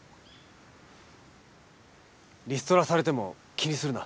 リストラされても気にするな。